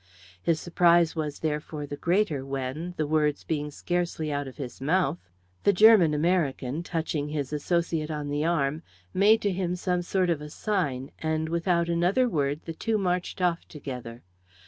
His surprise was, therefore, the greater when, the words being scarcely out of his mouth, the German American, touching his associate on the arm, made to him some sort of a sign, and without another word the two marched off together.